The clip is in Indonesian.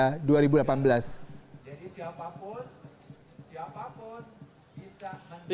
jadi siapapun siapapun bisa mencari